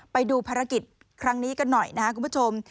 ไปดูภารกิจครั้งนี้กันหน่อยนะครับคุณผู้ชม